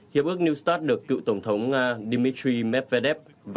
hiệp ước new start được cựu tổng thống nga dmitry medvedev và